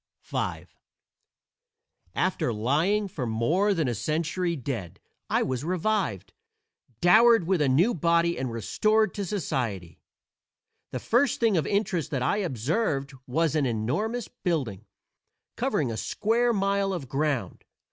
V After lying for more than a century dead I was revived, dowered with a new body, and restored to society. The first thing of interest that I observed was an enormous building, covering a square mile of ground.